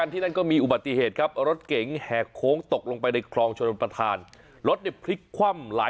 รถเนี่ยเกิดเหตุก่อนถึงวัดคลองเมืองจังหวัดพิศนุโลก